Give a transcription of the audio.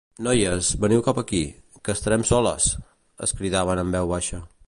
-Noies, veniu cap aquí, que estarem soles!- es cridaven amb veu baixa.